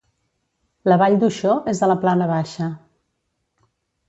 La Vall d'Uixó és a la Plana Baixa.